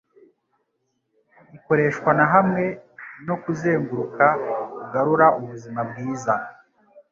ikoreshwa na hamwe no kuzenguruka kugarura ubuzima bwiza